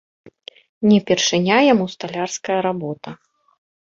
Не першыня яму сталярская работа.